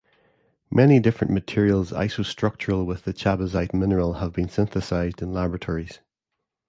Many different materials isostructural with the chabazite mineral have been synthesized in laboratories.